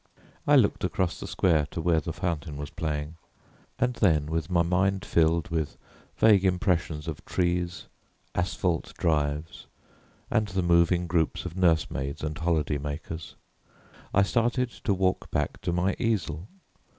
I looked across the square to where the fountain was playing and then, with my mind filled with vague impressions of trees, asphalt drives, and the moving groups of nursemaids and holiday makers, I started to walk back to my easel.